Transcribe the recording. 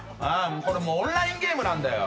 これオンラインゲームなんだよ。